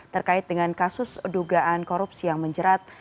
terkait dengan kasus dugaan korupsi yang menjerat